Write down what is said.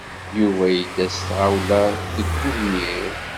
Yuba yedda s tɣawla deg ugnir.